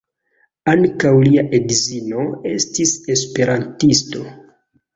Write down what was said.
Ankaŭ lia edzino estis esperantisto.